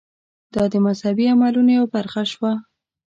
دا د مذهبي عملونو یوه برخه شوه.